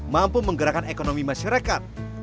mampu menggerakkan ekonomi masyarakat